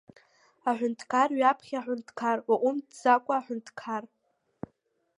Аҳәынҭқар, ҩаԥхьа аҳәынҭқар, уааҟәымҵӡакәа аҳәынҭқар!